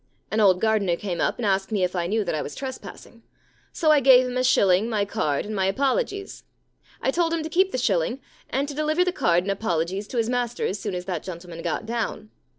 An old gardener came up and asked me if I knew that I was trespassing. So I gave him a shilling, my card, and my apologies. I told him to keep the shilling and to deliver the card and apologies to his master as soon as that gentleman got down.